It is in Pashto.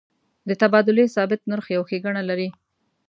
د تبادلې ثابت نرخ یو ښیګڼه لري.